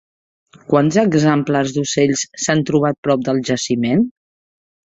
Quants exemplars d'ocells s'han trobat prop del jaciment?